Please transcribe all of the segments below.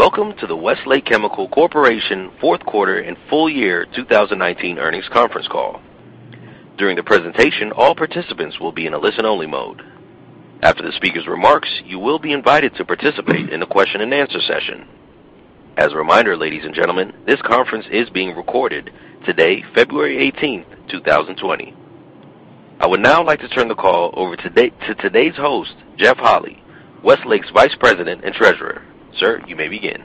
Welcome to the Westlake Chemical Corporation fourth quarter and full year 2019 earnings conference call. During the presentation, all participants will be in a listen-only mode. After the speaker's remarks, you will be invited to participate in the question and answer session. As a reminder, ladies and gentlemen, this conference is being recorded today, February 18th, 2020. I would now like to turn the call over to today's host, Jeff Holy, Westlake's Vice President and Treasurer. Sir, you may begin.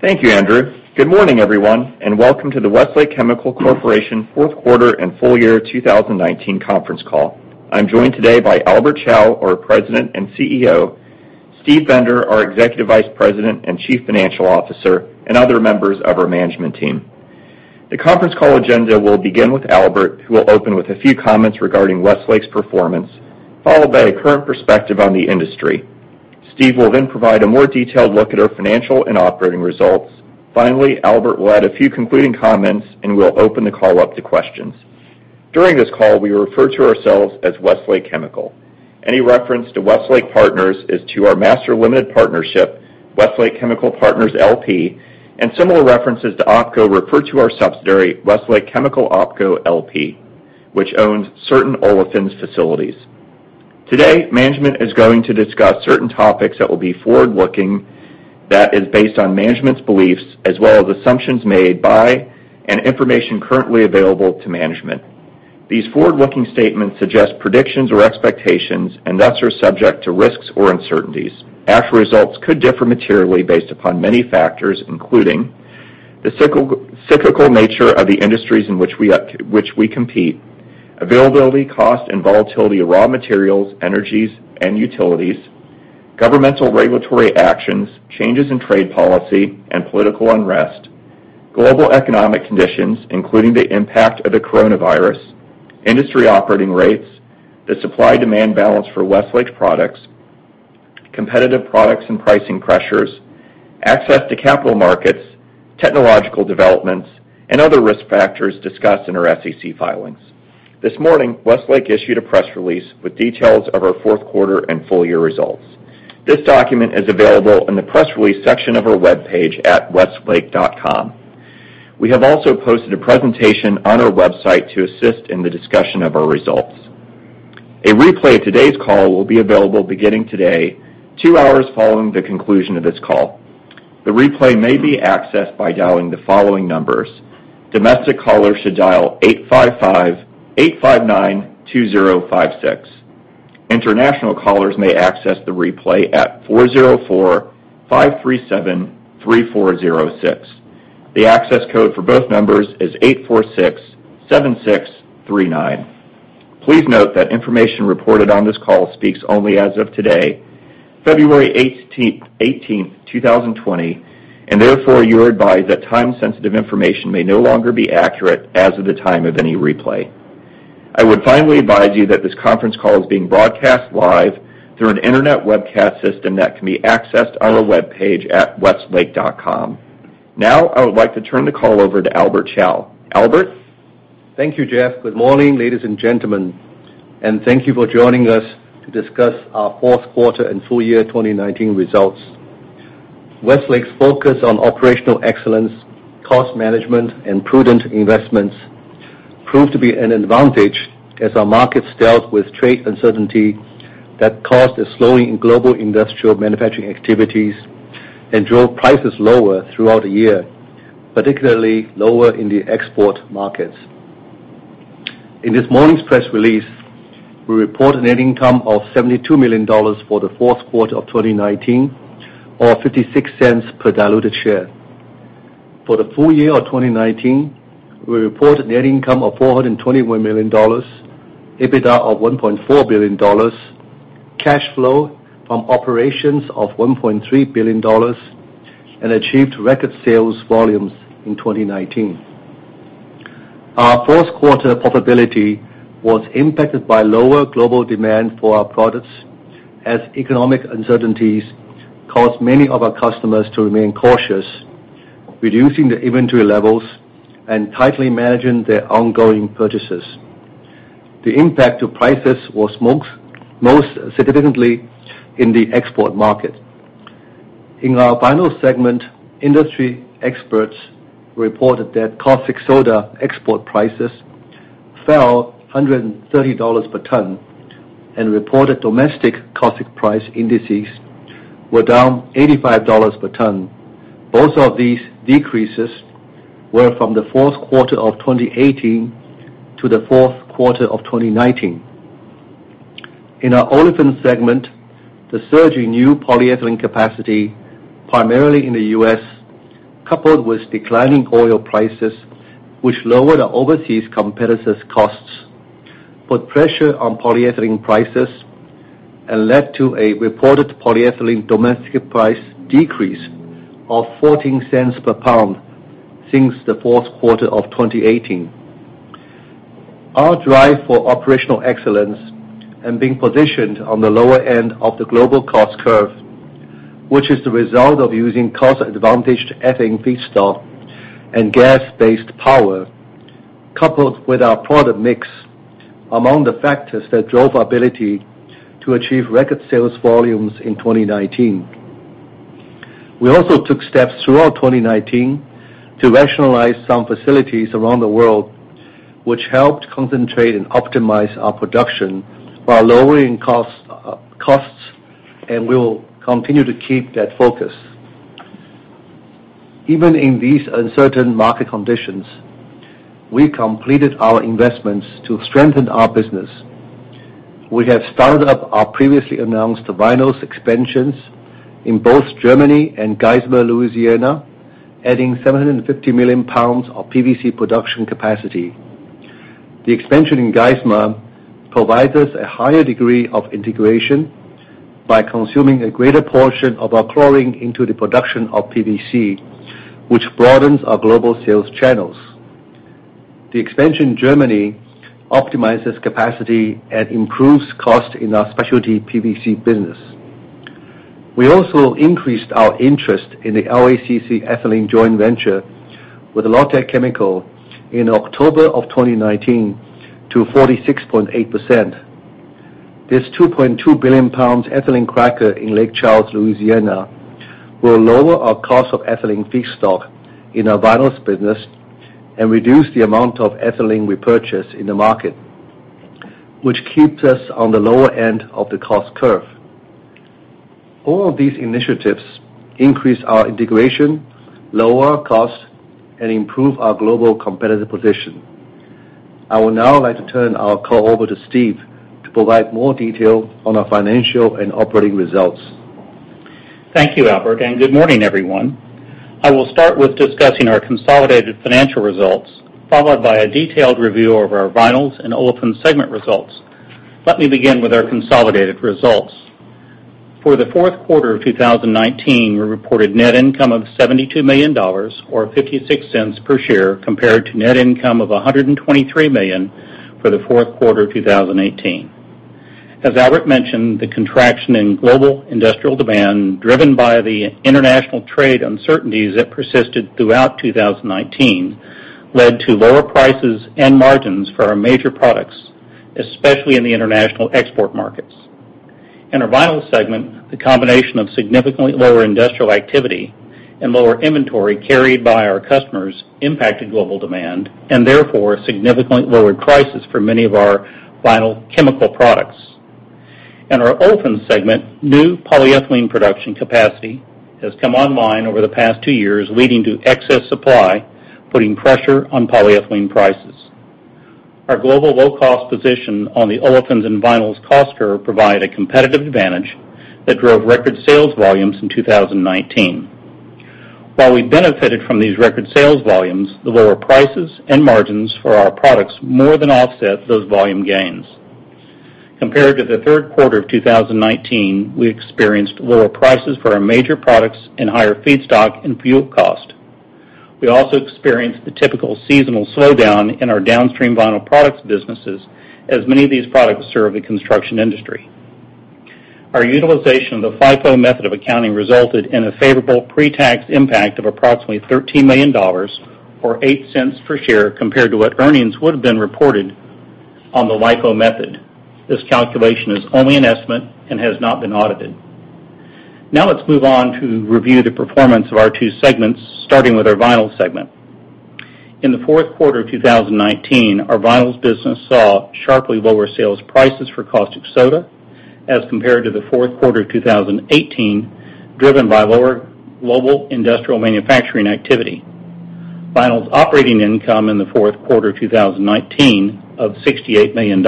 Thank you, Andrew. Good morning, everyone, and welcome to the Westlake Chemical Corporation fourth quarter and full year 2019 conference call. I'm joined today by Albert Chao, our President and CEO, Steve Bender, our Executive Vice President and Chief Financial Officer, and other members of our management team. The conference call agenda will begin with Albert, who will open with a few comments regarding Westlake's performance, followed by a current perspective on the industry. Steve will then provide a more detailed look at our financial and operating results. Finally, Albert will add a few concluding comments. We'll open the call up to questions. During this call, we refer to ourselves as Westlake Chemical. Any reference to Westlake Partners is to our master limited partnership, Westlake Chemical Partners LP, and similar references to OpCo refer to our subsidiary, Westlake Chemical OpCo LP, which owns certain Olefins facilities. Today, management is going to discuss certain topics that will be forward-looking that is based on management's beliefs, as well as assumptions made by and information currently available to management. These forward-looking statements suggest predictions or expectations and thus are subject to risks or uncertainties. Actual results could differ materially based upon many factors, including the cyclical nature of the industries in which we compete, availability, cost, and volatility of raw materials, energies, and utilities, governmental regulatory actions, changes in trade policy, and political unrest, global economic conditions, including the impact of the coronavirus, industry operating rates, the supply-demand balance for Westlake products, competitive products and pricing pressures, access to capital markets, technological developments, and other risk factors discussed in our SEC filings. This morning, Westlake issued a press release with details of our fourth quarter and full-year results. This document is available in the press release section of our webpage at westlake.com. We have also posted a presentation on our website to assist in the discussion of our results. A replay of today's call will be available beginning today, two hours following the conclusion of this call. The replay may be accessed by dialing the following numbers. Domestic callers should dial 855-859-2056. International callers may access the replay at 404-537-3406. The access code for both numbers is 8,467,639. Please note that information reported on this call speaks only as of today, February 18th, 2020, and therefore, you are advised that time-sensitive information may no longer be accurate as of the time of any replay. I would finally advise you that this conference call is being broadcast live through an internet webcast system that can be accessed on our webpage at westlake.com. I would like to turn the call over to Albert Chao. Albert? Thank you, Jeff. Good morning, ladies and gentlemen, and thank you for joining us to discuss our fourth quarter and full year 2019 results. Westlake's focus on operational excellence, cost management, and prudent investments proved to be an advantage as our markets dealt with trade uncertainty that caused a slowing in global industrial manufacturing activities and drove prices lower throughout the year, particularly lower in the export markets. In this morning's press release, we report a net income of $72 million for the fourth quarter of 2019, or $0.56 per diluted share. For the full year of 2019, we reported net income of $421 million, EBITDA of $1.4 billion, cash flow from operations of $1.3 billion, and achieved record sales volumes in 2019. Our fourth quarter profitability was impacted by lower global demand for our products as economic uncertainties caused many of our customers to remain cautious, reducing their inventory levels and tightly managing their ongoing purchases. The impact to prices was most significantly in the export market. In our vinyl segment, industry experts reported that caustic soda export prices fell $130 per ton and reported domestic caustic price indices were down $85 per ton. Both of these decreases were from the fourth quarter of 2018 to the fourth quarter of 2019. In our Olefins segment, the surge in new polyethylene capacity, primarily in the U.S., coupled with declining oil prices, which lowered our overseas competitors' costs, put pressure on polyethylene prices and led to a reported polyethylene domestic price decrease of $0.14 per pound since the fourth quarter of 2018. Our drive for operational excellence and being positioned on the lower end of the global cost curve, which is the result of using cost-advantaged ethane feedstock and gas-based power. Coupled with our product mix, among the factors that drove our ability to achieve record sales volumes in 2019. We also took steps throughout 2019 to rationalize some facilities around the world, which helped concentrate and optimize our production while lowering costs, and we will continue to keep that focus. Even in these uncertain market conditions, we completed our investments to strengthen our business. We have started up our previously announced Vinyls expansions in both Germany and Geismar, Louisiana, adding 750 million pounds of PVC production capacity. The expansion in Geismar provides us a higher degree of integration by consuming a greater portion of our chlorine into the production of PVC, which broadens our global sales channels. The expansion in Germany optimizes capacity and improves cost in our specialty PVC business. We also increased our interest in the LACC ethylene joint venture with Lotte Chemical in October of 2019 to 46.8%. This 2.2 billion pounds ethylene cracker in Lake Charles, Louisiana, will lower our cost of ethylene feedstock in our Vinyls business and reduce the amount of ethylene we purchase in the market, which keeps us on the lower end of the cost curve. All of these initiatives increase our integration, lower costs, and improve our global competitive position. I would now like to turn our call over to Steve to provide more detail on our financial and operating results. Thank you, Albert, and good morning, everyone. I will start with discussing our consolidated financial results, followed by a detailed review of our Vinyls and Olefins segment results. Let me begin with our consolidated results. For the fourth quarter of 2019, we reported net income of $72 million, or $0.56 per share, compared to net income of $123 million for the fourth quarter of 2018. As Albert mentioned, the contraction in global industrial demand, driven by the international trade uncertainties that persisted throughout 2019, led to lower prices and margins for our major products, especially in the international export markets. In our vinyl segment, the combination of significantly lower industrial activity and lower inventory carried by our customers impacted global demand, and therefore, significantly lowered prices for many of our vinyl chemical products. In our Olefins segment, new polyethylene production capacity has come online over the past two years, leading to excess supply, putting pressure on polyethylene prices. Our global low-cost position on the Olefins and Vinyls cost curve provide a competitive advantage that drove record sales volumes in 2019. While we benefited from these record sales volumes, the lower prices and margins for our products more than offset those volume gains. Compared to the third quarter of 2019, we experienced lower prices for our major products and higher feedstock and fuel cost. We also experienced the typical seasonal slowdown in our downstream vinyl products businesses, as many of these products serve the construction industry. Our utilization of the FIFO method of accounting resulted in a favorable pre-tax impact of approximately $13 million, or $0.08 per share, compared to what earnings would have been reported on the LIFO method. This calculation is only an estimate and has not been audited. Let's move on to review the performance of our two segments, starting with our Vinyls Segment. In the fourth quarter of 2019, our Vinyls business saw sharply lower sales prices for caustic soda as compared to the fourth quarter of 2018, driven by lower global industrial manufacturing activity. Vinyls operating income in the fourth quarter 2019 of $68 million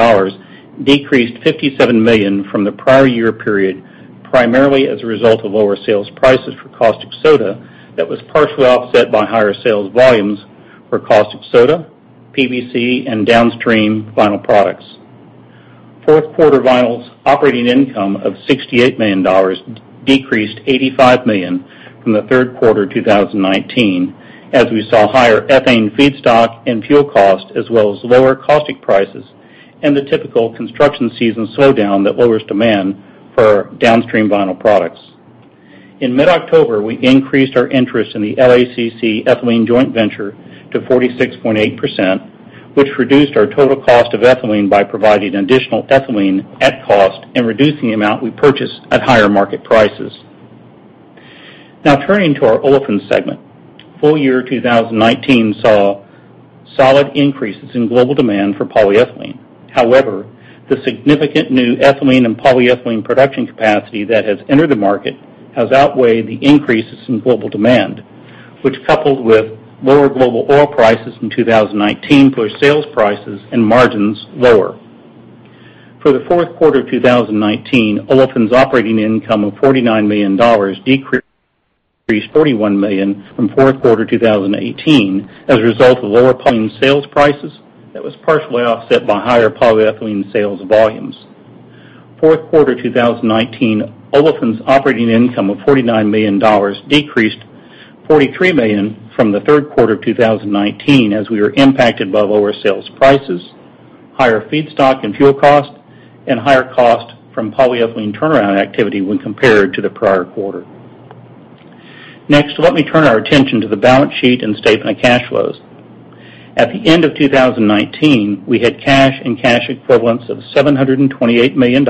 decreased $57 million from the prior year period, primarily as a result of lower sales prices for caustic soda that was partially offset by higher sales volumes for caustic soda, PVC, and downstream Vinyl products. Fourth quarter Vinyls operating income of $68 million decreased $85 million from the third quarter 2019, as we saw higher ethane feedstock and fuel cost, as well as lower caustic prices and the typical construction season slowdown that lowers demand for downstream Vinyl products. In mid-October, we increased our interest in the LACC ethylene joint venture to 46.8%, which reduced our total cost of ethylene by providing additional ethylene at cost and reducing the amount we purchased at higher market prices. Now turning to our Olefins segment. Full year 2019 saw solid increases in global demand for polyethylene. However, the significant new ethylene and polyethylene production capacity that has entered the market has outweighed the increases in global demand, which coupled with lower global oil prices in 2019, pushed sales prices and margins lower. For the fourth quarter of 2019, Olefins operating income of $49 million decreased $41 million from fourth quarter 2018, as a result of lower polyethylene sales prices that was partially offset by higher polyethylene sales volumes. Fourth quarter 2019, Olefins operating income of $49 million decreased $43 million from the third quarter of 2019, as we were impacted by lower sales prices, higher feedstock and fuel cost, and higher cost from polyethylene turnaround activity when compared to the prior quarter. Next, let me turn our attention to the balance sheet and statement of cash flows. At the end of 2019, we had cash and cash equivalents of $728 million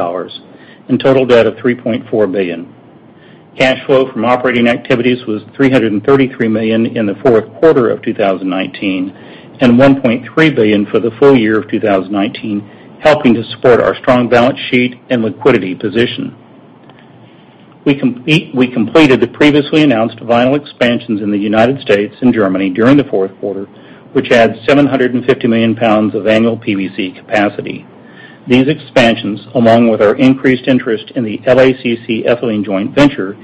and total debt of $3.4 billion. Cash flow from operating activities was $333 million in the fourth quarter of 2019 and $1.3 billion for the full year of 2019, helping to support our strong balance sheet and liquidity position. We completed the previously announced vinyl expansions in the U.S. and Germany during the fourth quarter, which adds 750 million pounds of annual PVC capacity. These expansions, along with our increased interest in the LACC ethylene joint venture,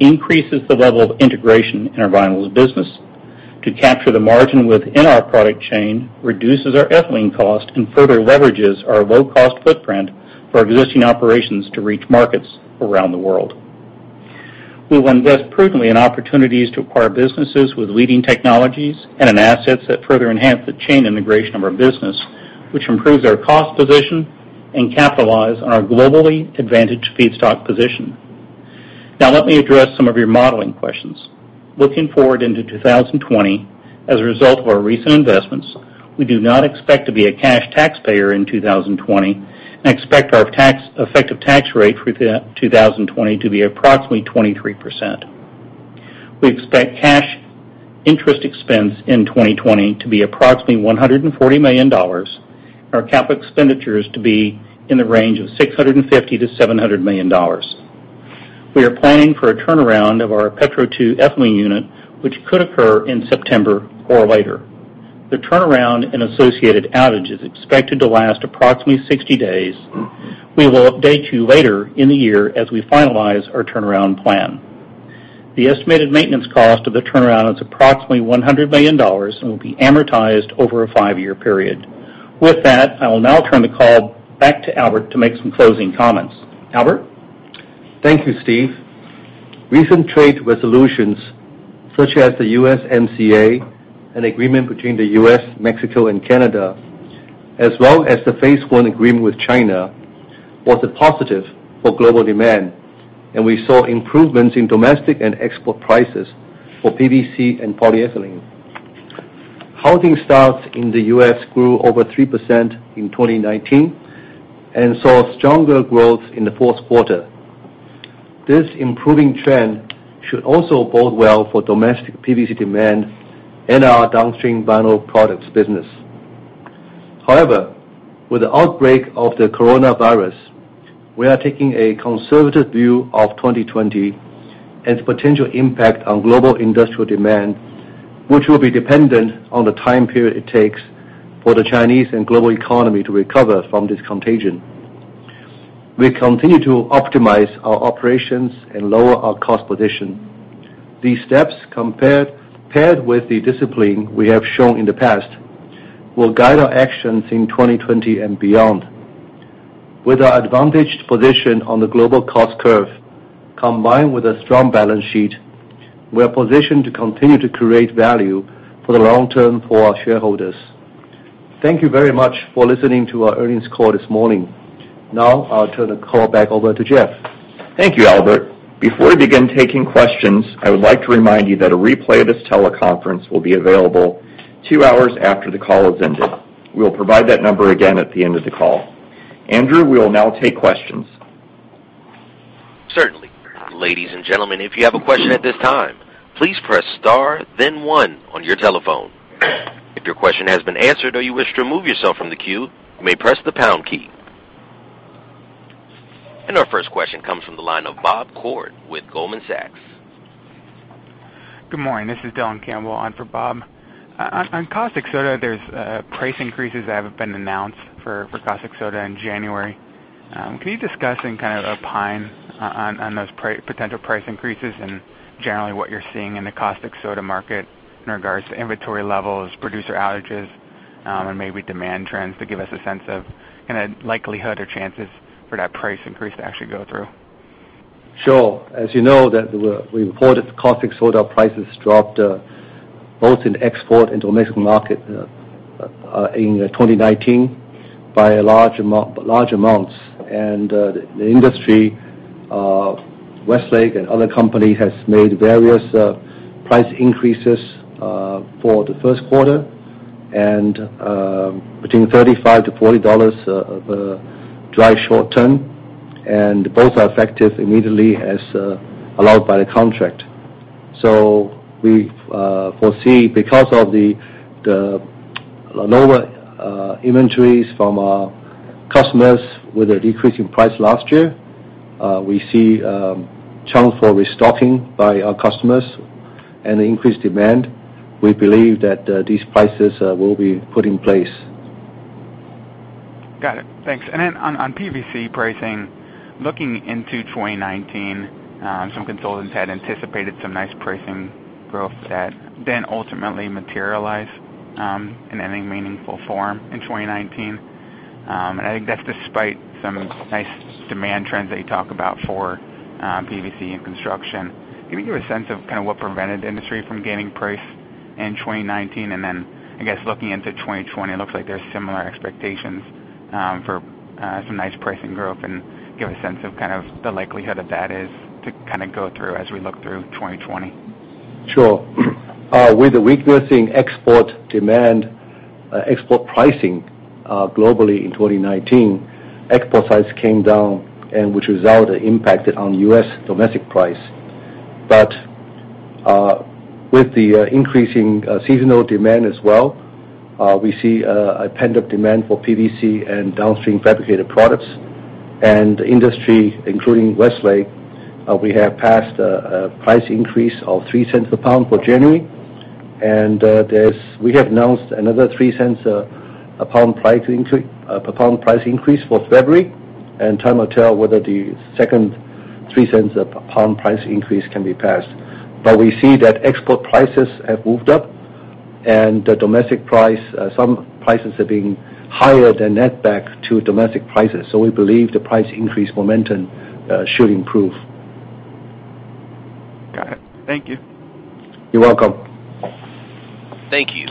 increases the level of integration in our vinyl business. To capture the margin within our product chain reduces our ethylene cost and further leverages our low-cost footprint for existing operations to reach markets around the world. We will invest prudently in opportunities to acquire businesses with leading technologies and in assets that further enhance the chain integration of our business, which improves our cost position and capitalize on our globally advantaged feedstock position. Let me address some of your modeling questions. Looking forward into 2020, as a result of our recent investments, we do not expect to be a cash taxpayer in 2020 and expect our effective tax rate for 2020 to be approximately 23%. We expect cash interest expense in 2020 to be approximately $140 million. Our cap expenditures to be in the range of $650 million-$700 million. We are planning for a turnaround of our Petro 2 ethylene unit, which could occur in September or later. The turnaround and associated outage is expected to last approximately 60 days. We will update you later in the year as we finalize our turnaround plan. The estimated maintenance cost of the turnaround is approximately $100 million and will be amortized over a five-year period. With that, I will now turn the call back to Albert to make some closing comments. Albert? Thank you, Steve. Recent trade resolutions such as the USMCA and agreement between the U.S., Mexico, and Canada, as well as the Phase One Agreement with China, was a positive for global demand, and we saw improvements in domestic and export prices for PVC and polyethylene. Housing starts in the U.S. grew over 3% in 2019 and saw stronger growth in the fourth quarter. This improving trend should also bode well for domestic PVC demand and our downstream vinyl products business. With the outbreak of the coronavirus, we are taking a conservative view of 2020 and its potential impact on global industrial demand, which will be dependent on the time period it takes for the Chinese and global economy to recover from this contagion. We continue to optimize our operations and lower our cost position. These steps, paired with the discipline we have shown in the past, will guide our actions in 2020 and beyond. With our advantaged position on the global cost curve, combined with a strong balance sheet, we are positioned to continue to create value for the long term for our shareholders. Thank you very much for listening to our earnings call this morning. Now, I'll turn the call back over to Jeff. Thank you, Albert. Before we begin taking questions, I would like to remind you that a replay of this teleconference will be available two hours after the call has ended. We will provide that number again at the end of the call. Andrew, we will now take questions. Certainly. Ladies and gentlemen, if you have a question at this time, please press star then one on your telephone. If your question has been answered or you wish to remove yourself from the queue, you may press the pound key. Our first question comes from the line of Bob Koort with Goldman Sachs. Good morning. This is Dylan Campbell on for Bob. On caustic soda, there's price increases that have been announced for caustic soda in January. Can you discuss and kind of opine on those potential price increases and generally what you're seeing in the caustic soda market in regards to inventory levels, producer outages, and maybe demand trends to give us a sense of kind of likelihood or chances for that price increase to actually go through? Sure. As you know that we reported caustic soda prices dropped both in export and domestic market in 2019 by large amounts. The industry, Westlake and other company, has made various price increases for the first quarter. Between $35-$40 of dry short ton, and both are effective immediately as allowed by the contract. We foresee because of the lower inventories from our customers with a decrease in price last year, we see chance for restocking by our customers and increased demand. We believe that these prices will be put in place. Got it. Thanks. On PVC pricing, looking into 2019, some consultants had anticipated some nice pricing growth that then ultimately materialized in any meaningful form in 2019. I think that's despite some nice demand trends that you talk about for PVC and construction. Can you give a sense of kind of what prevented industry from gaining price in 2019, and then looking into 2020, it looks like there's similar expectations for some nice pricing growth, and give a sense of the likelihood of that is to go through as we look through 2020? Sure. With the weakness in export demand, export pricing globally in 2019, export price came down, which resulted impacted on U.S. domestic price. With the increasing seasonal demand as well, we see a pent-up demand for PVC and downstream fabricated products. The industry, including Westlake, we have passed a price increase of $0.03 per pound for January. We have announced another $0.03 per pound price increase for February, and time will tell whether the second $0.03 per pound price increase can be passed. We see that export prices have moved up, and the domestic price, some prices are being higher than net back to domestic prices. We believe the price increase momentum should improve. Got it. Thank you. You're welcome. Thank you.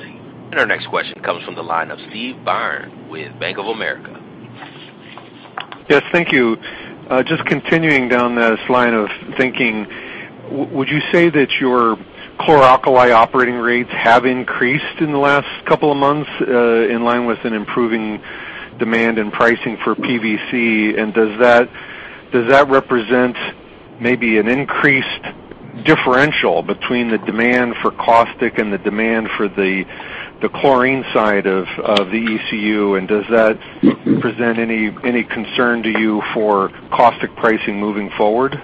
Our next question comes from the line of Steve Byrne with Bank of America. Yes, thank you. Just continuing down this line of thinking, would you say that your chloralkali operating rates have increased in the last couple of months, in line with an improving demand in pricing for PVC? Does that represent maybe an increased differential between the demand for caustic and the demand for the chlorine side of the ECU? Does that present any concern to you for caustic pricing moving forward?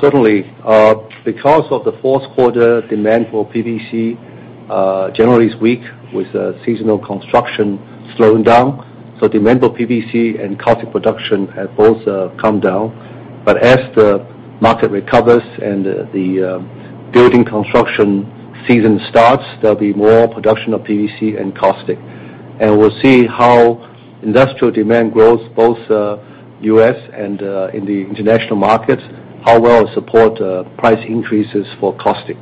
Certainly. Because of the fourth quarter demand for PVC, generally is weak with seasonal construction slowing down. Demand for PVC and caustic production have both come down. As the market recovers and the building construction season starts, there'll be more production of PVC and caustic. We'll see how industrial demand grows, both U.S. and in the international markets, how well it support price increases for caustic.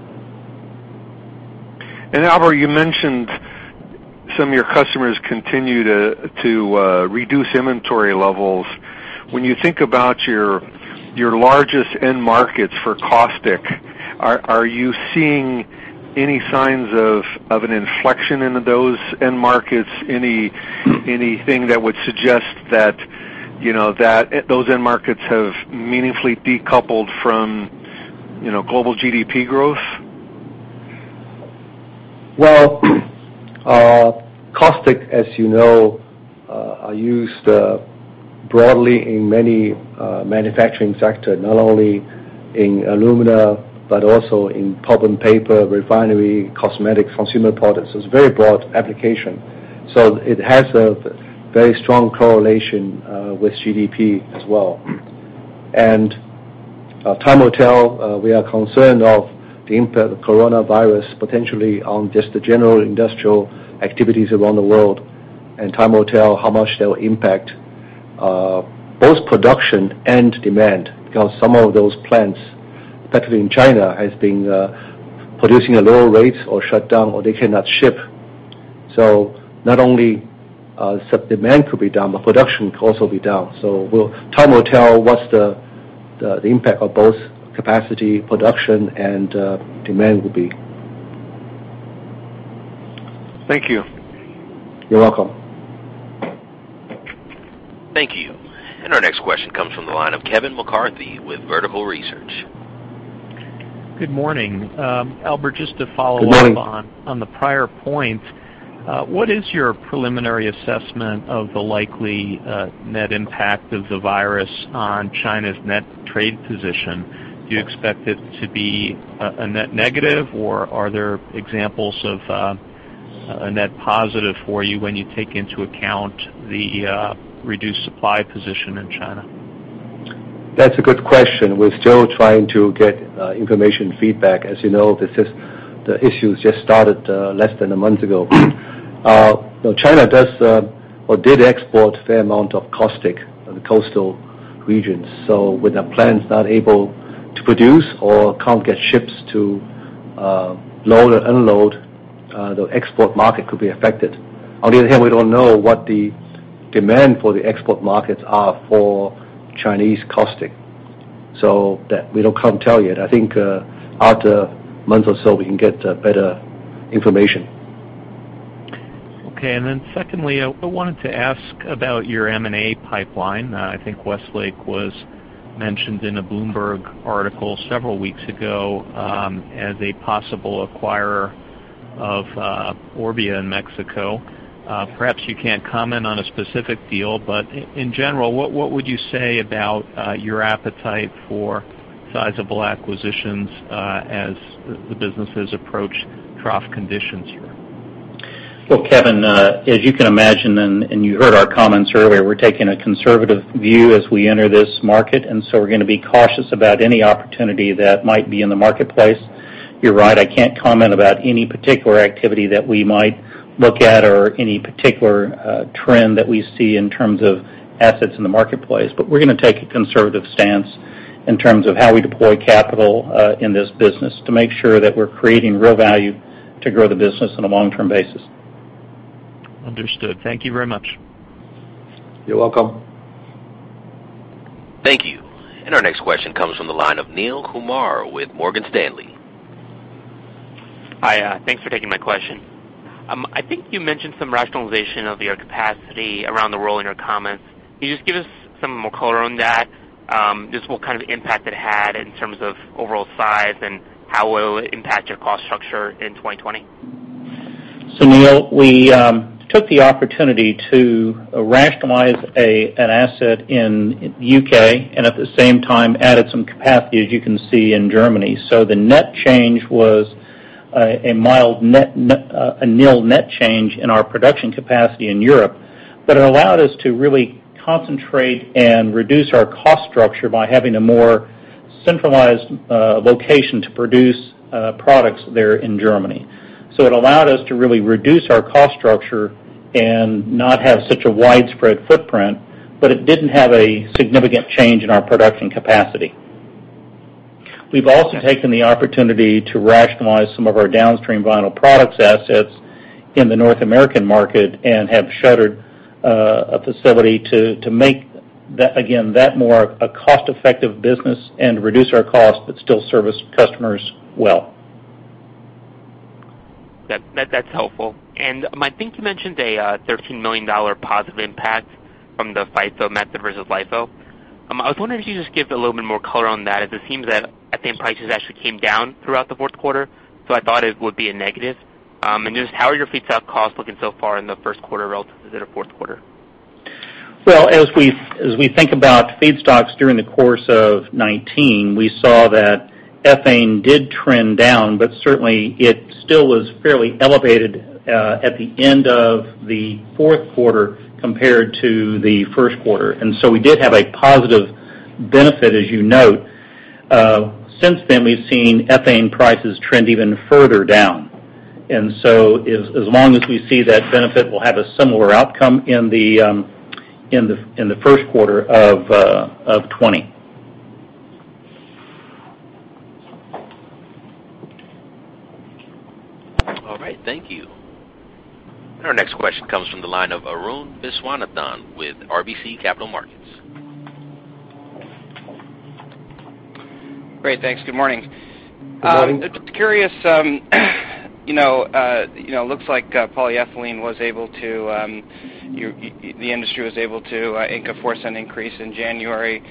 Albert, you mentioned some of your customers continue to reduce inventory levels. When you think about your largest end markets for caustic, are you seeing any signs of an inflection into those end markets? Anything that would suggest that those end markets have meaningfully decoupled from global GDP growth? Well, caustic, as you know, are used broadly in many manufacturing sector, not only in alumina, but also in pulp and paper, refinery, cosmetic, consumer products. It's very broad application. It has a very strong correlation with GDP as well. Time will tell. We are concerned of the impact of coronavirus potentially on just the general industrial activities around the world. Time will tell how much that will impact both production and demand, because some of those plants, particularly in China, has been producing at lower rates or shut down, or they cannot ship. Not only demand could be down, but production could also be down. Time will tell what's the impact of both capacity production and demand will be. Thank you. You're welcome. Thank you. Our next question comes from the line of Kevin McCarthy with Vertical Research. Good morning. Albert, just to follow up. Good morning. On the prior point. What is your preliminary assessment of the likely net impact of the virus on China's net trade position? Do you expect it to be a net negative, or are there examples of a net positive for you when you take into account the reduced supply position in China? That's a good question. We're still trying to get information feedback. As you know, the issue just started less than a month ago. China does or did export a fair amount of caustic in the coastal regions. With the plants not able to produce or can't get ships to load or unload, the export market could be affected. On the other hand, we don't know what the demand for the export markets are for Chinese caustic. That we can't tell yet. I think after a month or so, we can get better information. Okay. Secondly, I wanted to ask about your M&A pipeline. I think Westlake was mentioned in a Bloomberg article several weeks ago as a possible acquirer of Orbia in Mexico. Perhaps you can't comment on a specific deal, but in general, what would you say about your appetite for sizable acquisitions as the businesses approach trough conditions here? Well, Kevin, as you can imagine and you heard our comments earlier, we're taking a conservative view as we enter this market. We're going to be cautious about any opportunity that might be in the marketplace. You're right, I can't comment about any particular activity that we might look at or any particular trend that we see in terms of assets in the marketplace. We're going to take a conservative stance in terms of how we deploy capital in this business to make sure that we're creating real value to grow the business on a long-term basis. Understood. Thank you very much. You're welcome. Thank you. Our next question comes from the line of Neel Kumar with Morgan Stanley. Hi. Thanks for taking my question. I think you mentioned some rationalization of your capacity around the world in your comments. Can you just give us some more color on that? Just what kind of impact it had in terms of overall size, and how will it impact your cost structure in 2020? Neel, we took the opportunity to rationalize an asset in the U.K., and at the same time added some capacity, as you can see, in Germany. The net change was a nil net change in our production capacity in Europe. It allowed us to really concentrate and reduce our cost structure by having a more centralized location to produce products there in Germany. It allowed us to really reduce our cost structure and not have such a widespread footprint, but it didn't have a significant change in our production capacity. We've also taken the opportunity to rationalize some of our downstream vinyl products assets in the North American market and have shuttered a facility to make, again, that more of a cost-effective business and reduce our costs, but still service customers well. That's helpful. I think you mentioned a $13 million positive impact from the FIFO method versus LIFO. I was wondering if you could just give a little bit more color on that, as it seems that ethane prices actually came down throughout the fourth quarter, so I thought it would be a negative. Just how are your feedstock costs looking so far in the first quarter relative to the fourth quarter? Well, as we think about feedstocks during the course of 2019, we saw that ethane did trend down, certainly it still was fairly elevated at the end of the fourth quarter compared to the first quarter. We did have a positive benefit, as you note. Since then, we've seen ethane prices trend even further down. As long as we see that benefit, we'll have a similar outcome in the first quarter of 2020. All right. Thank you. Our next question comes from the line of Arun Viswanathan with RBC Capital Markets. Great. Thanks. Good morning. Good morning. Just curious looks like the industry was able to ink a $0.04 increase in January.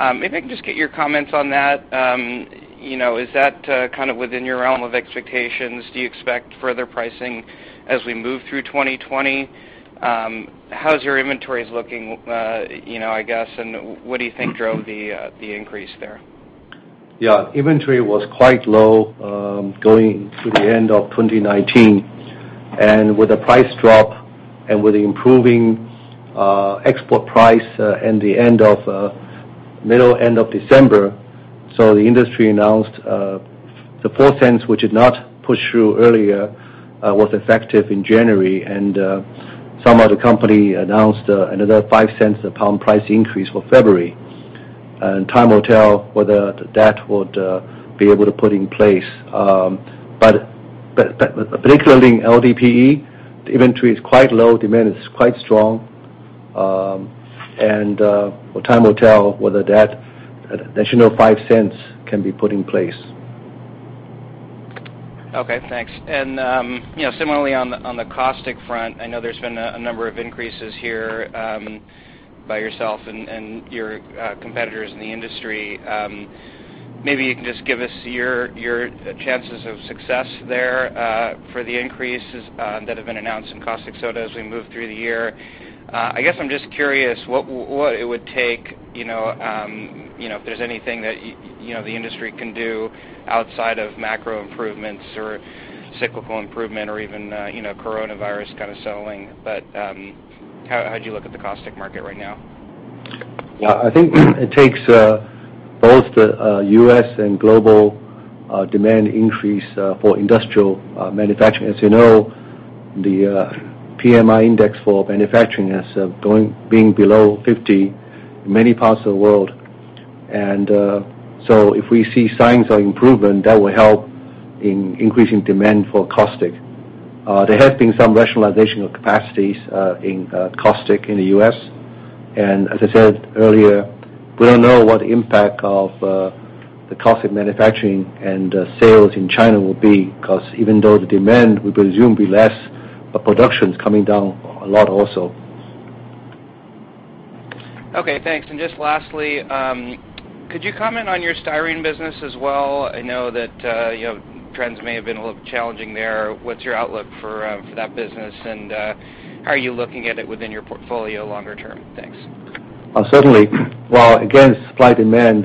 If I can just get your comments on that. Is that kind of within your realm of expectations? Do you expect further pricing as we move through 2020? How's your inventories looking, I guess, and what do you think drove the increase there? Yeah. Inventory was quite low going through the end of 2019. With the price drop and with the improving export price in the middle, end of December, the industry announced the $0.04, which it not pushed through earlier, was effective in January. Some of the company announced another $0.05 a pound price increase for February. Time will tell whether that would be able to put in place. Particularly in LDPE, the inventory is quite low, demand is quite strong. Time will tell whether that additional $0.05 can be put in place. Okay, thanks. Similarly on the caustic front, I know there's been a number of increases here by yourself and your competitors in the industry. Maybe you can just give us your chances of success there for the increases that have been announced in caustic soda as we move through the year. I guess I'm just curious what it would take if there's anything that the industry can do outside of macro improvements or cyclical improvement or even coronavirus kind of settling. How do you look at the caustic market right now? Yeah, I think it takes both the U.S. and global demand increase for industrial manufacturing. As you know, the PMI for manufacturing has been below 50 in many parts of the world. If we see signs of improvement, that will help in increasing demand for caustic. There has been some rationalization of capacities in caustic in the U.S. As I said earlier, we don't know what impact of the caustic manufacturing and sales in China will be because even though the demand we presume be less, but production's coming down a lot also. Okay, thanks. Just lastly, could you comment on your styrene business as well? I know that trends may have been a little challenging there. What's your outlook for that business, and how are you looking at it within your portfolio longer term? Thanks. Certainly. Well, again, supply, demand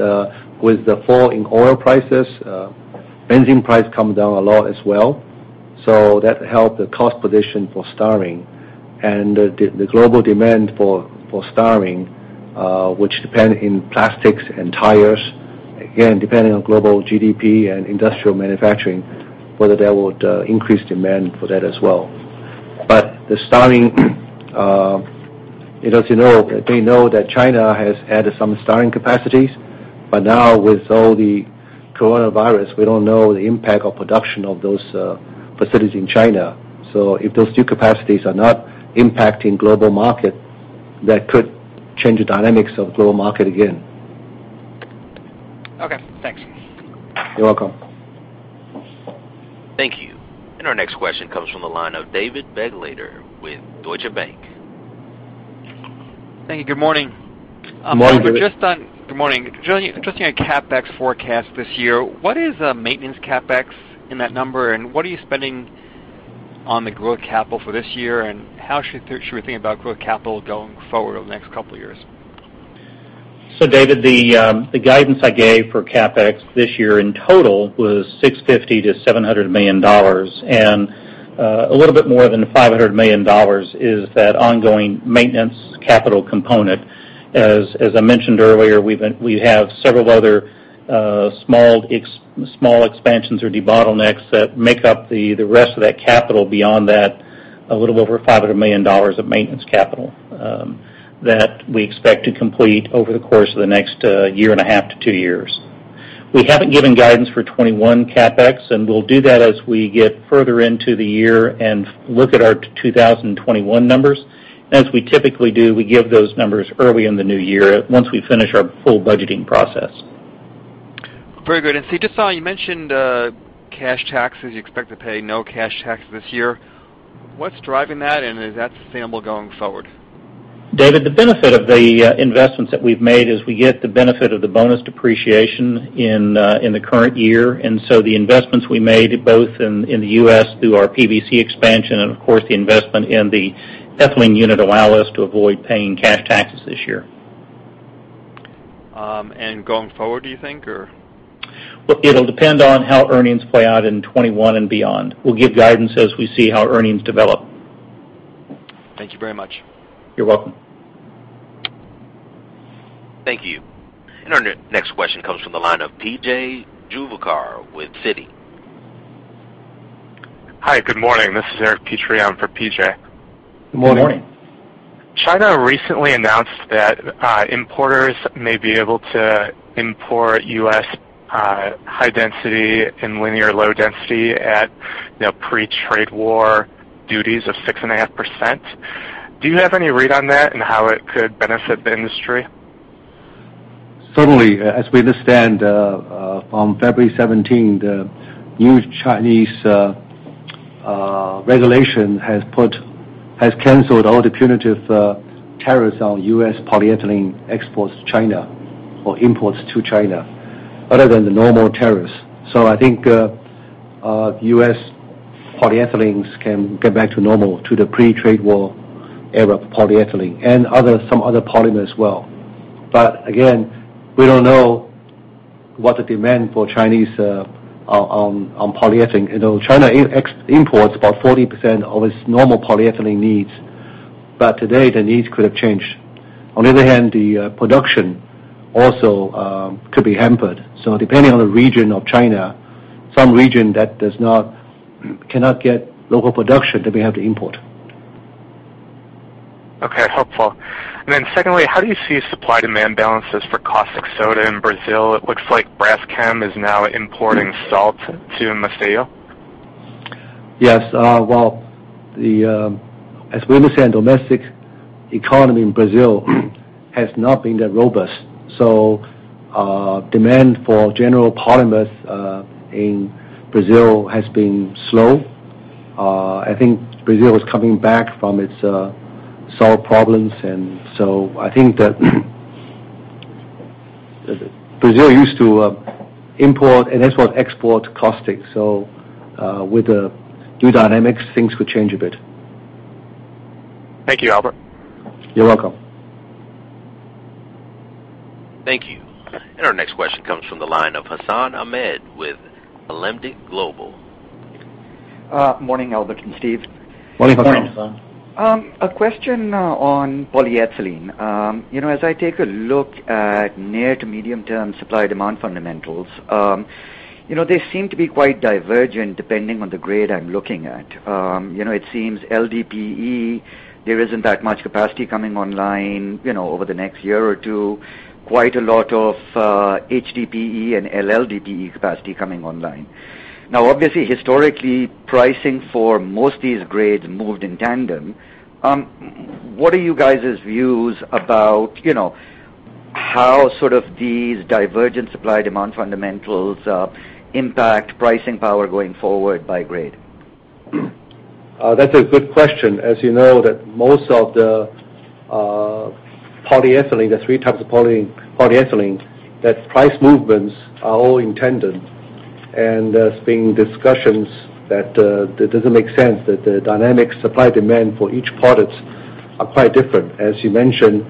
with the fall in oil prices, benzene price come down a lot as well. That helped the cost position for styrene. The global demand for styrene, which depend in plastics and tires, again, depending on global GDP and industrial manufacturing, whether that would increase demand for that as well. The styrene, as you know, they know that China has added some styrene capacities. Now with all the coronavirus, we don't know the impact of production of those facilities in China. If those two capacities are not impacting global market, that could change the dynamics of global market again. Okay, thanks. You're welcome. Thank you. Our next question comes from the line of David Begleiter with Deutsche Bank. Thank you. Good morning. Good morning, David. Good morning. Interesting on CapEx forecast this year. What is a maintenance CapEx in that number, and what are you spending on the growth capital for this year, and how should we think about growth capital going forward over the next couple of years? David, the guidance I gave for CapEx this year in total was $650 million-$700 million. A little bit more than $500 million is that ongoing maintenance capital component. As I mentioned earlier, we have several other small expansions or debottlenecks that make up the rest of that capital beyond that, a little over $500 million of maintenance capital that we expect to complete over the course of the next year and a half to two years. We haven't given guidance for 2021 CapEx, we'll do that as we get further into the year and look at our 2021 numbers. As we typically do, we give those numbers early in the new year once we finish our full budgeting process. Very good. Steve, just saw you mentioned cash taxes. You expect to pay no cash taxes this year. What's driving that, and is that sustainable going forward? David, the benefit of the investments that we've made is we get the benefit of the bonus depreciation in the current year. The investments we made both in the U.S. through our PVC expansion and, of course, the investment in the ethylene unit allow us to avoid paying cash taxes this year. Going forward, do you think or? It'll depend on how earnings play out in 2021 and beyond. We'll give guidance as we see how earnings develop. Thank you very much. You're welcome. Thank you. Our next question comes from the line of P.J. Juvekar with Citi. Hi, good morning. This is Eric Petrie for P.J. Good morning. Good morning. China recently announced that importers may be able to import U.S. High-Density and Linear Low-Density at pre-trade war duties of 6.5%. Do you have any read on that and how it could benefit the industry? Certainly. As we understand, from February 17, the new Chinese regulation has canceled all the punitive tariffs on U.S. polyethylene exports to China or imports to China, other than the normal tariffs. I think U.S. polyethylenes can get back to normal to the pre-trade war era of polyethylene and some other polymers as well. Again, we don't know what the demand for Chinese in polyethylene. China imports about 40% of its normal polyethylene needs. Today, the needs could have changed. On the other hand, the production also could be hampered. Depending on the region of China, some region that cannot get local production, they may have to import. Okay, helpful. Secondly, how do you see supply-demand balances for caustic soda in Brazil? It looks like Braskem is now importing salt to Maceió. Yes. Well, as we understand, domestic economy in Brazil has not been that robust. Demand for general polymers in Brazil has been slow. I think Brazil is coming back from its salt problems. I think that Brazil used to import, and as well export caustic. With the new dynamics, things could change a bit. Thank you, Albert. You're welcome. Thank you. Our next question comes from the line of Hassan Ahmed with Alembic Global. Morning, Albert and Steve. Morning, Hassan. Morning, Hassan. A question on polyethylene. As I take a look at near to medium term supply demand fundamentals, they seem to be quite divergent depending on the grade I'm looking at. It seems LDPE, there isn't that much capacity coming online over the next year or two. Quite a lot of HDPE and LLDPE capacity coming online. Obviously, historically, pricing for most of these grades moved in tandem. What are you guys' views about how these divergent supply demand fundamentals impact pricing power going forward by grade? That's a good question. As you know that most of the polyethylene, there are three types of polyethylene, that price movements are all intended. There's been discussions that it doesn't make sense that the dynamic supply-demand for each product are quite different. As you mentioned,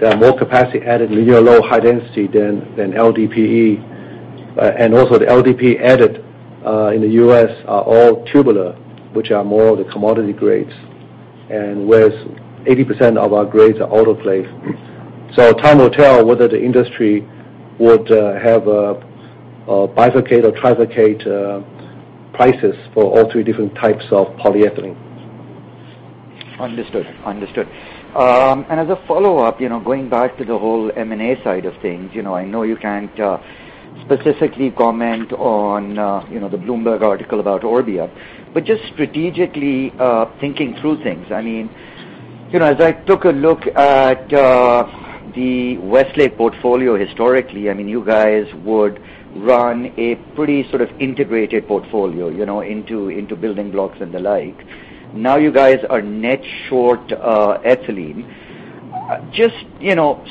there are more capacity added in linear low, high density than LDPE. Also, the LDP added in the U.S. are all tubular, which are more the commodity grades, and whereas 80% of our grades are auto grades. Time will tell whether the industry would have a bifurcate or trifurcate prices for all three different types of polyethylene. Understood. As a follow-up, going back to the whole M&A side of things, I know you can't specifically comment on the Bloomberg article about Orbia. Just strategically thinking through things, as I took a look at the Westlake portfolio historically, you guys would run a pretty sort of integrated portfolio into building blocks and the like. Now you guys are net short ethylene. Just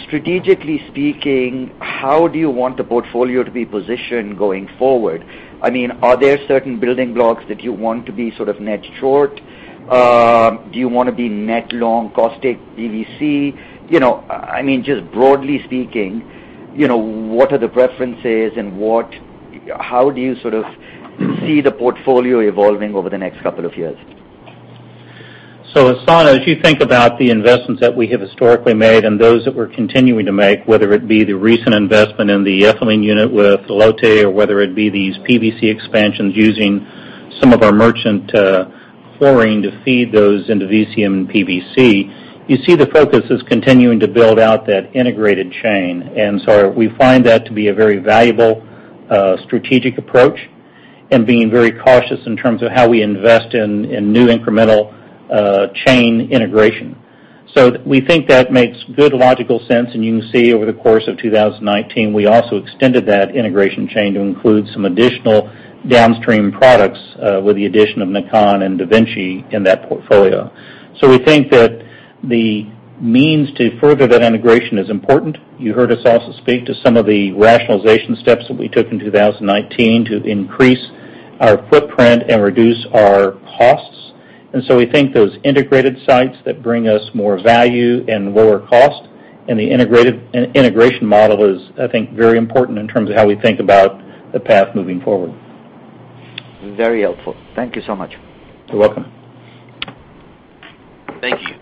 strategically speaking, how do you want the portfolio to be positioned going forward? Are there certain building blocks that you want to be sort of net short? Do you want to be net long caustic PVC? Just broadly speaking, what are the preferences and how do you sort of see the portfolio evolving over the next couple of years? Hassan, as you think about the investments that we have historically made and those that we're continuing to make, whether it be the recent investment in the ethylene unit with Lotte Chemical, or whether it be these PVC expansions using some of our merchant chlorine to feed those into VCM and PVC, you see the focus is continuing to build out that integrated chain. We find that to be a very valuable, strategic approach and being very cautious in terms of how we invest in new incremental chain integration. We think that makes good logical sense, and you can see over the course of 2019, we also extended that integration chain to include some additional downstream products with the addition of NAKAN and DaVinci in that portfolio. We think that the means to further that integration is important. You heard us also speak to some of the rationalization steps that we took in 2019 to increase our footprint and reduce our costs. We think those integrated sites that bring us more value and lower cost and the integration model is, I think, very important in terms of how we think about the path moving forward. Very helpful. Thank you so much. You're welcome. Thank you.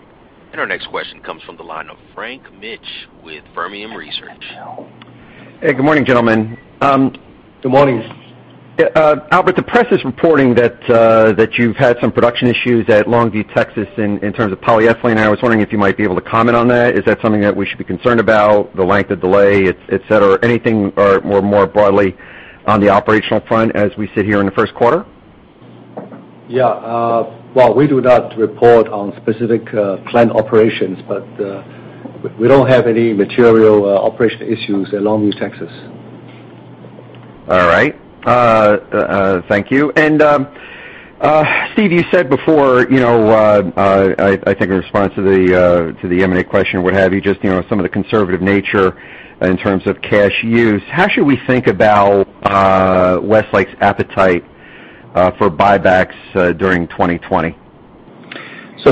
Our next question comes from the line of Frank Mitsch with Fermium Research. Hey, good morning, gentlemen. Good morning. Albert, the press is reporting that you've had some production issues at Longview, Texas, in terms of polyethylene. I was wondering if you might be able to comment on that. Is that something that we should be concerned about, the length of delay, et cetera? Anything more broadly on the operational front as we sit here in the first quarter? Yeah. Well, we do not report on specific plant operations, but we don't have any material operation issues at Longview, Texas. All right. Thank you. Steve, you said before, I think in response to the M&A question, what have you, just some of the conservative nature in terms of cash use. How should we think about Westlake's appetite for buybacks during 2020?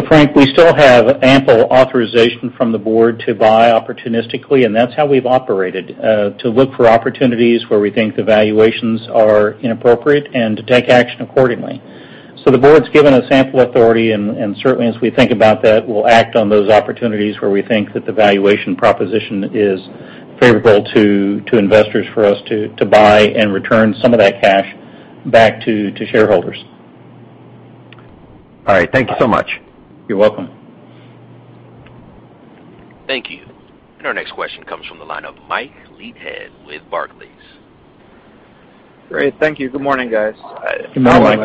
Frank, we still have ample authorization from the board to buy opportunistically, and that's how we've operated, to look for opportunities where we think the valuations are inappropriate and to take action accordingly. The board's given us ample authority, and certainly, as we think about that, we'll act on those opportunities where we think that the valuation proposition is favorable to investors for us to buy and return some of that cash back to shareholders. All right. Thank you so much. You're welcome. Thank you. Our next question comes from the line of Mike Leithead with Barclays. Great. Thank you. Good morning, guys. Good morning.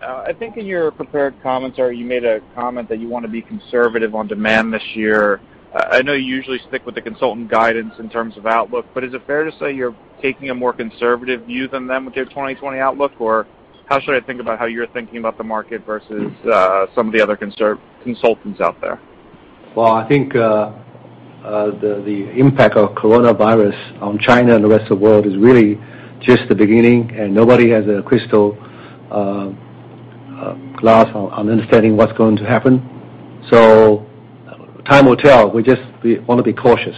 I think in your prepared commentary, you made a comment that you want to be conservative on demand this year. I know you usually stick with the consultant guidance in terms of outlook, but is it fair to say you're taking a more conservative view than them with your 2020 outlook? How should I think about how you're thinking about the market versus some of the other consultants out there? Well, I think the impact of coronavirus on China and the rest of the world is really just the beginning. Nobody has a crystal glass on understanding what's going to happen. Time will tell. We just want to be cautious.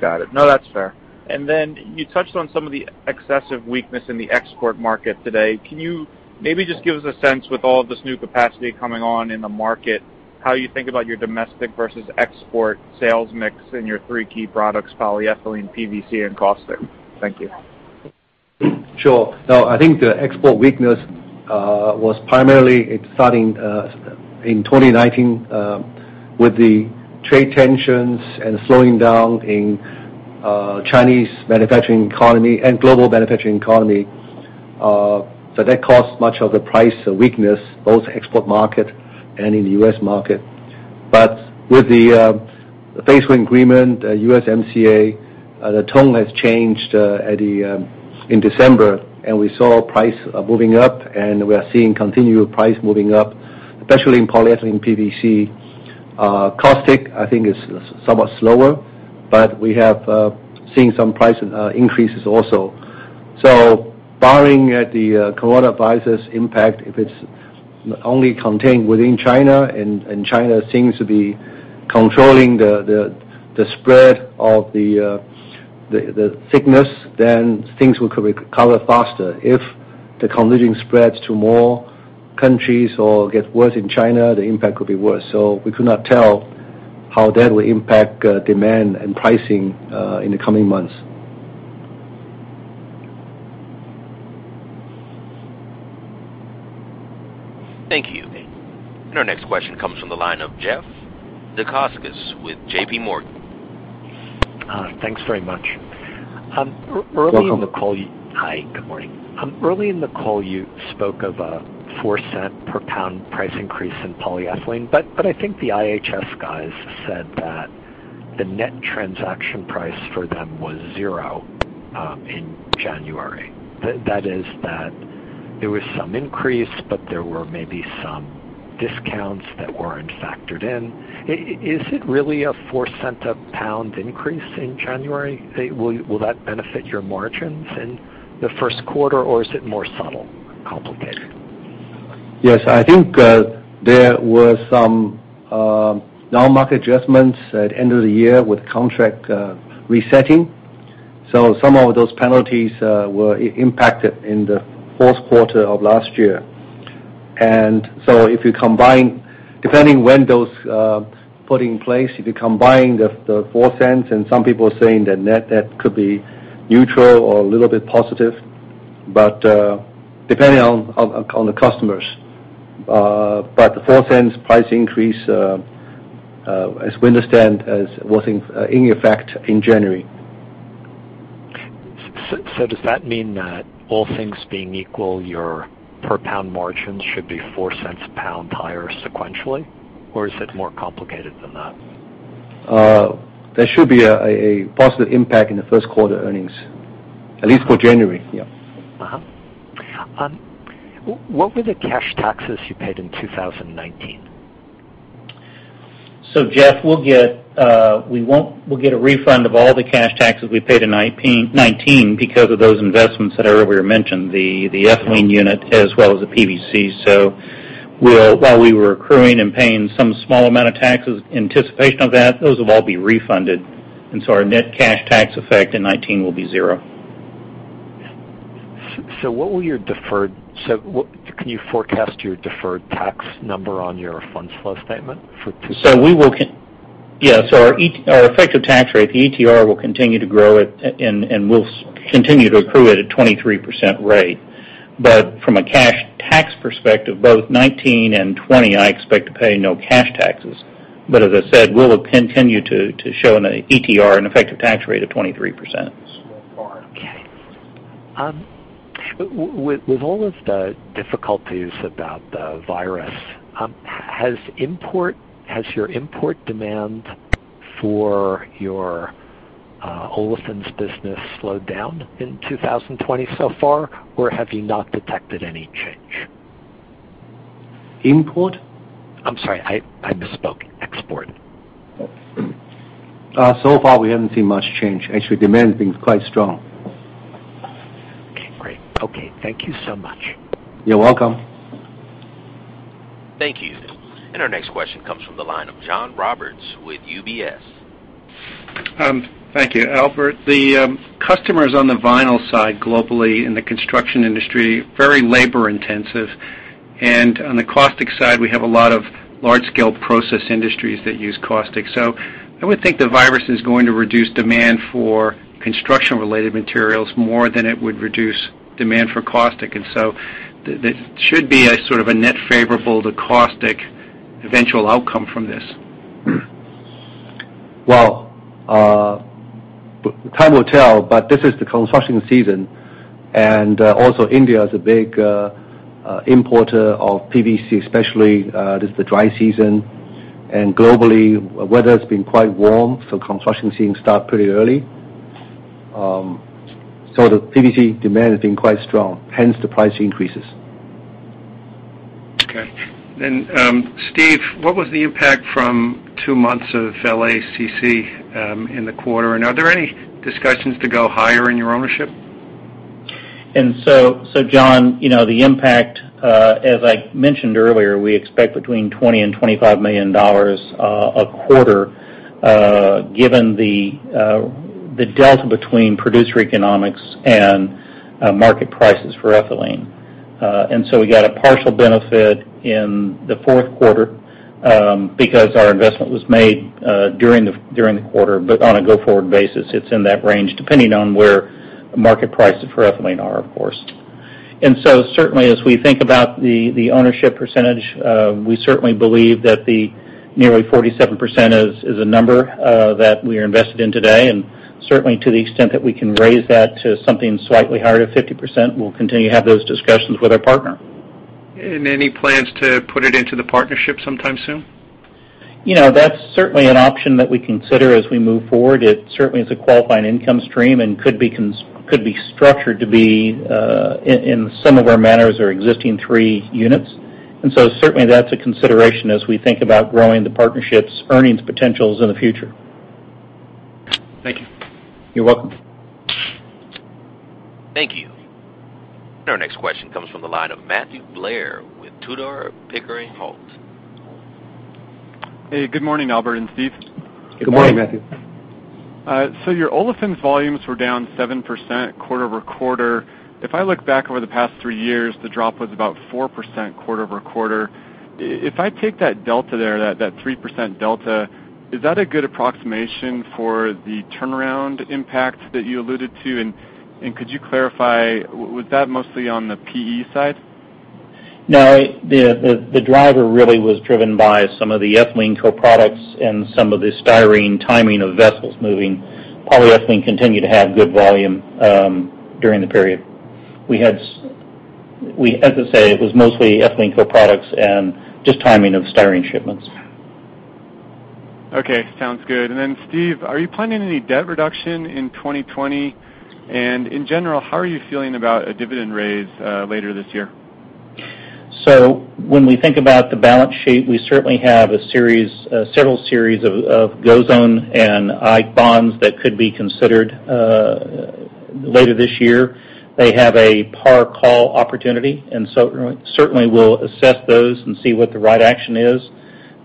Got it. No, that's fair. You touched on some of the excessive weakness in the export market today. Can you maybe just give us a sense with all of this new capacity coming on in the market, how you think about your domestic versus export sales mix in your three key products, polyethylene, PVC, and caustic? Thank you. Sure. No, I think the export weakness was primarily it starting in 2019 with the trade tensions and slowing down in Chinese manufacturing economy and global manufacturing economy. That caused much of the price weakness, both export market and in the U.S. market. With the phase one agreement, the USMCA, the tone has changed in December, and we saw price moving up, and we are seeing continued price moving up, especially in polyethylene PVC. Caustic, I think is somewhat slower, we have seen some price increases also. Barring at the coronavirus' impact, if it's only contained within China, and China seems to be controlling the spread of the sickness, things will recover faster. If the contagion spreads to more countries or gets worse in China, the impact could be worse. We could not tell how that will impact demand and pricing in the coming months. Thank you. Our next question comes from the line of Jeff Zekauskas with JPMorgan. Thanks very much. Welcome. Hi, good morning. Early in the call, you spoke of a $0.04 per pound price increase in polyethylene. I think the IHS guys said that the net transaction price for them was $0 in January. That is that there was some increase, but there were maybe some discounts that weren't factored in. Is it really a $0.04 a pound increase in January? Will that benefit your margins in the first quarter, or is it more subtle, complicated? Yes. I think there were some down market adjustments at end of the year with contract resetting. Some of those penalties were impacted in the fourth quarter of last year. If you combine, depending when those put in place, if you combine the $0.04, and some people are saying the net could be neutral or a little bit positive. Depending on the customers. The $0.04 price increase, as we understand, was in effect in January. Does that mean that all things being equal, your per pound margins should be $0.04 a pound higher sequentially? Is it more complicated than that? There should be a positive impact in the first quarter earnings, at least for January. Yeah. Uh-huh. What were the cash taxes you paid in 2019? Jeff, we'll get a refund of all the cash taxes we paid in 2019 because of those investments that I earlier mentioned, the ethylene unit as well as the PVC. While we were accruing and paying some small amount of taxes in anticipation of that, those will all be refunded. Our net cash tax effect in 2019 will be zero. Can you forecast your deferred tax number on your fund flow statement. Yeah. Our effective tax rate, the ETR, will continue to grow it, and we'll continue to accrue at a 23% rate. From a cash tax perspective, both 2019 and 2020, I expect to pay no cash taxes. As I said, we'll continue to show an ETR, an effective tax rate of 23%. Okay. With all of the difficulties about the coronavirus, has your import demand for your Olefins business slowed down in 2020 so far? Have you not detected any change? Import? I'm sorry, I misspoke. Export. Far we haven't seen much change. Actually, demand has been quite strong. Okay, great. Okay. Thank you so much. You're welcome. Thank you. Our next question comes from the line of John Roberts with UBS. Thank you. Albert, the customers on the vinyl side globally in the construction industry, very labor intensive. On the caustic side, we have a lot of large scale process industries that use caustic. I would think the coronavirus is going to reduce demand for construction related materials more than it would reduce demand for caustic. There should be a sort of a net favorable to caustic eventual outcome from this. Well, time will tell. This is the construction season. India is a big importer of PVC especially. This is the dry season. Globally, weather has been quite warm. Construction seems start pretty early. The PVC demand has been quite strong, hence the price increases. Okay. Steve, what was the impact from two months of LACC in the quarter? Are there any discussions to go higher in your ownership? John, the impact, as I mentioned earlier, we expect between $20 million and $25 million a quarter, given the delta between producer economics and market prices for ethylene. We got a partial benefit in the fourth quarter, because our investment was made during the quarter, but on a go forward basis, it's in that range, depending on where market prices for ethylene are, of course. Certainly as we think about the ownership percentage, we certainly believe that the nearly 47% is a number that we are invested in today. Certainly to the extent that we can raise that to something slightly higher to 50%, we'll continue to have those discussions with our partner. Any plans to put it into the partnership sometime soon? That's certainly an option that we consider as we move forward. It certainly is a qualifying income stream and could be structured to be in similar manners or existing three units. Certainly that's a consideration as we think about growing the partnership's earnings potentials in the future. Thank you. You're welcome. Thank you. Our next question comes from the line of Matthew Blair with Tudor, Pickering, Holt. Hey, good morning, Albert and Steve. Good morning. Good morning, Matthew. Your Olefins volumes were down 7% quarter-over-quarter. If I look back over the past three years, the drop was about 4% quarter-over-quarter. If I take that delta there, that 3% delta, is that a good approximation for the turnaround impact that you alluded to? Could you clarify, was that mostly on the PE side? No, the driver really was driven by some of the ethylene co-products and some of the styrene timing of vessels moving. Polyethylene continued to have good volume during the period. As I say, it was mostly ethylene co-products and just timing of styrene shipments. Okay, sounds good. Steve, are you planning any debt reduction in 2020? In general, how are you feeling about a dividend raise later this year? When we think about the balance sheet, we certainly have several series of GO Zone and Ike bonds that could be considered later this year. They have a par call opportunity, and certainly we'll assess those and see what the right action is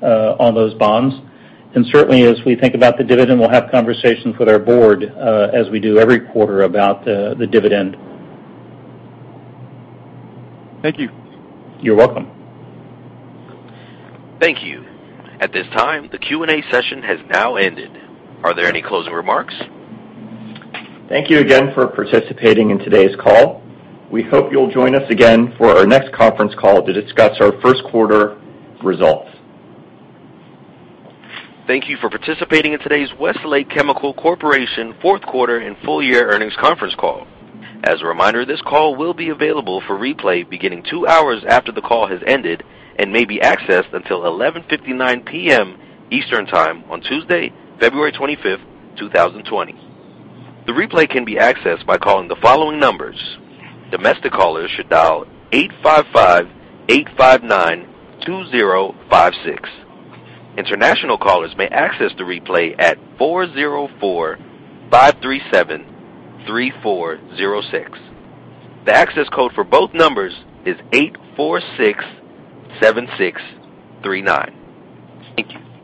on those bonds. Certainly, as we think about the dividend, we'll have conversations with our board, as we do every quarter about the dividend. Thank you. You're welcome. Thank you. At this time, the Q&A session has now ended. Are there any closing remarks? Thank you again for participating in today's call. We hope you'll join us again for our next conference call to discuss our first quarter results. Thank you for participating in today's Westlake Chemical Corporation fourth quarter and full year earnings conference call. As a reminder, this call will be available for replay beginning two hours after the call has ended and may be accessed until 11:59 P.M. Eastern Time on Tuesday, February 25th, 2020. The replay can be accessed by calling the following numbers. Domestic callers should dial 855-859-2056. International callers may access the replay at 404-537-3406. The access code for both numbers is 8467639. Thank you.